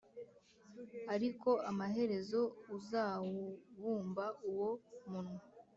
ariko amaherezo uzawubumba uwo munwa